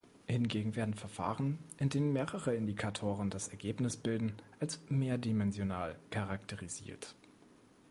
Hingegen werden Verfahren, in denen mehrere Indikatoren das Ergebnis bilden, als „mehrdimensional“ charakterisiert.